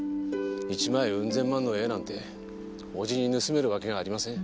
１枚ウン千万の絵なんて叔父に盗めるわけがありません。